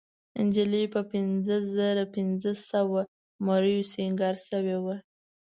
نجلۍ په پينځهزرهپینځهسوو مریو سینګار شوې وه.